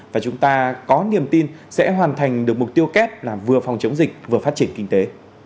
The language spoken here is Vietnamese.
và chúng ta có niềm tin sẽ hoàn thành được mục tiêu kép là vừa phòng chống dịch vừa phát triển kinh tế